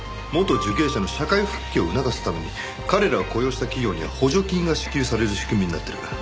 元受刑者の社会復帰を促すために彼らを雇用した企業には補助金が支給される仕組みになってる。